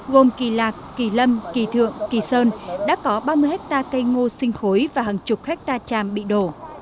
gồm kỳ lạc kỳ lâm kỳ thượng kỳ sơn đã có ba mươi hectare cây ngô sinh khối và hàng chục hectare tràm bị đổ